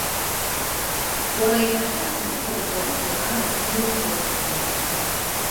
Уара иаҳа хьаас изыҟауҵарызеи арахә нырхуазҭгьы?